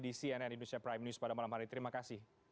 di cnn indonesia prime news pada malam hari terima kasih